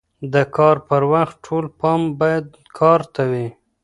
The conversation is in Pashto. د کار پر وخت ټول پام باید کار ته وي.